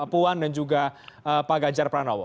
puan dan juga pak ganjar pranowo